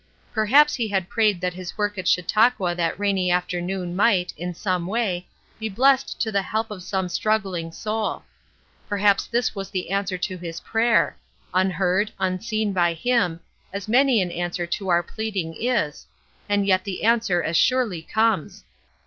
Perhaps he had prayed that his work at Chautauqua that rainy afternoon might, in some way, be blessed to the help of some struggling soul. Perhaps this was the answer to his prayer unheard, unseen by him, as many an answer to our pleading is, and yet the answer as surely comes.